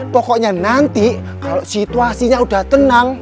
pokoknya nanti kalau situasinya sudah tenang